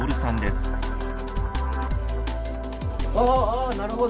ああなるほど。